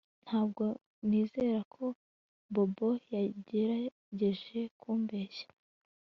Ntabwo nizera ko Bobo yagerageje kumbeshya